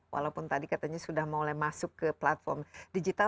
walaupun tadi katanya sudah mulai masuk ke platform digital